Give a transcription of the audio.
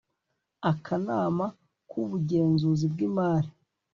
akanama k ubugenzuzi bw imari